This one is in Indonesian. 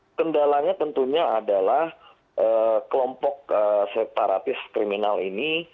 nah kendalanya tentunya adalah kelompok separatis kriminal ini